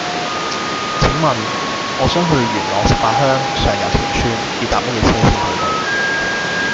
請問我想去元朗十八鄉上攸田村要搭乜嘢車先去到